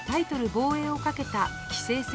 防衛をかけた棋聖戦